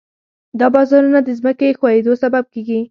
دا بارانونه د ځمکې ښویېدو سبب کېږي.